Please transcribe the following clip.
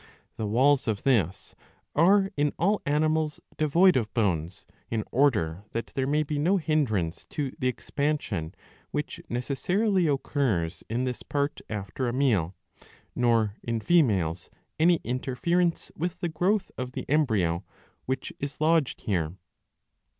The walls of this are in all animals devoid of bones ; in order that there may be no hindrance to the expansion which necessarily occurs in this 655 a. 11. 9 41 part after a meal, nor, in females, any interference with the growth of the embryo, which is lodged here.